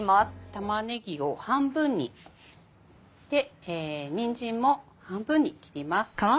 玉ねぎを半分に切ってにんじんも半分に切ります。